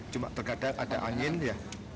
cuma terkadang ada angin ya